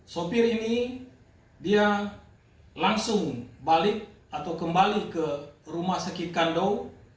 sopir ini dia langsung balik atau kembali ke rumah sakit kandau